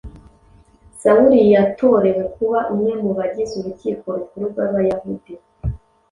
Sawuli yatorewe kuba umwe mu bagize urukiko rukuru rw’Abayahudi